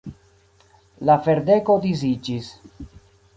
La ferdeko disiĝis.